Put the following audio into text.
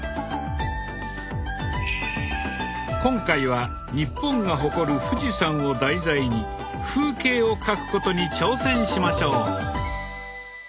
今回は日本が誇る富士山を題材に風景を描くことに挑戦しましょう。